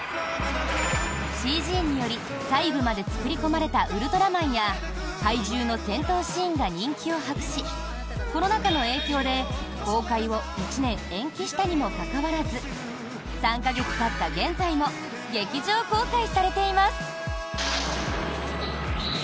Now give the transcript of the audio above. ＣＧにより細部まで作り込まれたウルトラマンや怪獣の戦闘シーンが人気を博しコロナ禍の影響で、公開を１年延期したにもかかわらず３か月たった現在も劇場公開されています。